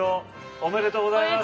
おめでとうございます。